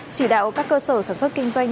chỉ đạo các cơ sở sản xuất kinh doanh